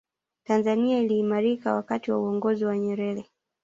tanzania iliimarika wakati wa uongozi wa nyerere